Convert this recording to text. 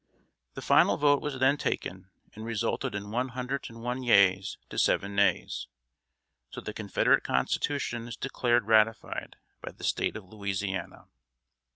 The final vote was then taken, and resulted in one hundred and one yeas to seven nays; so "the Confederate Constitution" is declared ratified by the State of Louisiana.